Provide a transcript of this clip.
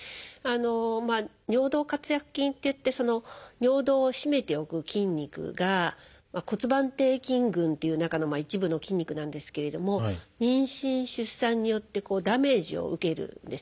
尿道括約筋っていって尿道を締めておく筋肉が骨盤底筋群っていう中の一部の筋肉なんですけれども妊娠出産によってダメージを受けるんですね。